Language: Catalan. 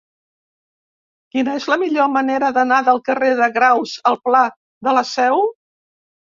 Quina és la millor manera d'anar del carrer de Graus al pla de la Seu?